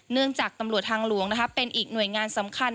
เนื่องจากตำรวจทางหลวงเป็นอีกหน่วยงานสำคัญ